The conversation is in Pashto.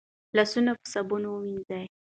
لاسونه په صابون ووينځئ